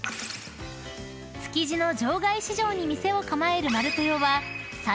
［築地の場外市場に店を構える「丸豊」は］